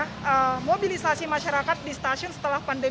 kemasyarakat di stasiun setelah pandemi ini semakin meningkat